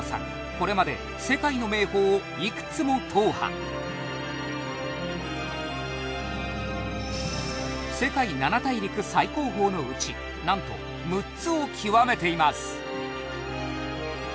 これまで世界の名峰をいくつも踏破世界七大陸最高峰のうちなんと６つを極めています